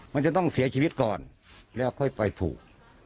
มันจะต้องเสียชีวิตก่อนแล้วค่อยปล่อยผูก